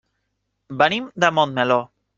Venim de Montmeló.